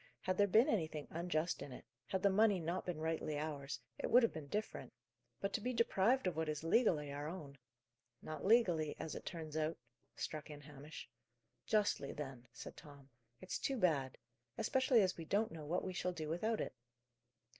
Had there been anything unjust in it, had the money not been rightly ours, it would have been different; but to be deprived of what is legally our own " "Not legally as it turns out," struck in Hamish. "Justly, then," said Tom. "It's too bad especially as we don't know what we shall do without it."